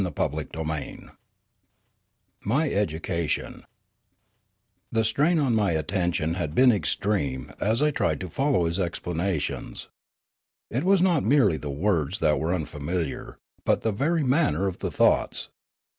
CHAPTER II MY EDUCATION THE strain on my attention had been extreme as I tried to follow his explanations. It was not merely the words that were unfamiliar, but the very manner of the thoughts.